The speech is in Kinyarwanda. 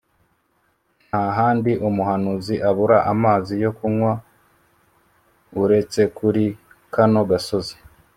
nta handi umuhanuzi abura amazi yo kunywa uretse kuri kano gasozi